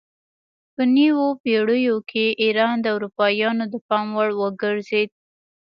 په نویو پیړیو کې ایران د اروپایانو د پام وړ وګرځید.